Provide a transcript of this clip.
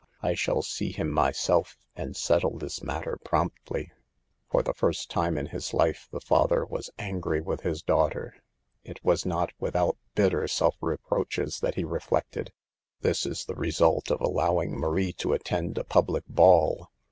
I shall see him myself and settle this matter promptly.'' For the first time in his life the father was angry with his daughter. It was not without bitter self reproaches that he reflected :" This is the result of allowing Marie to attend a public ball.